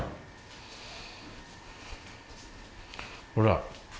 ほら。